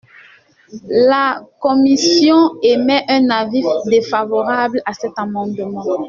La commission émet un avis défavorable à cet amendement.